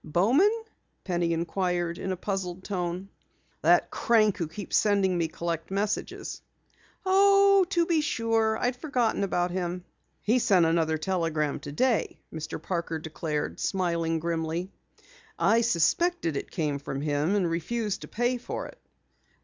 "Bowman?" Penny inquired in a puzzled tone. "That crank who keeps sending me collect messages." "Oh, to be sure! I'd forgotten about him." "He sent another telegram today," Mr. Parker declared, smiling grimly. "I suspected it came from him and refused to pay for it."